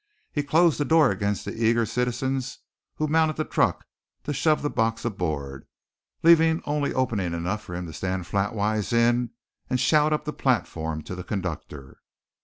He closed the door against the eager citizens who mounted the truck to shove the box aboard, leaving only opening enough for him to stand flatwise in and shout up the platform to the conductor.